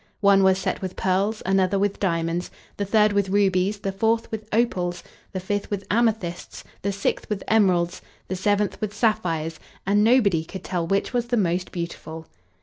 One was set with pearls, another with diamonds, the third with rubies, the fourth with opals, the fifth with amethysts, the sixth with emeralds, the seventh with sapphires; and nobody could tell which was the most beautiful.